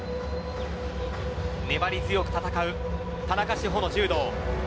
粘り強く戦う田中志歩の柔道。